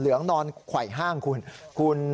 พระขู่คนที่เข้าไปคุยกับพระรูปนี้